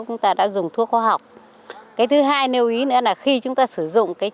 cái chuyển giao khoa học hôm nay rất là có hiệu quả